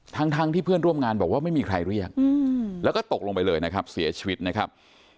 ทั้งที่เพื่อนร่วมงานบอกว่าไม่มีใครเรียกแล้วก็ตกลงไปเลยนะครับเสียชีวิตนะครับ